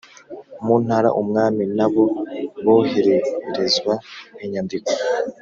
mu ntara umwami na bo bohererezwa inyandiko